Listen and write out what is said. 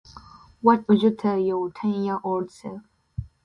What would you tell your ten-year-old self?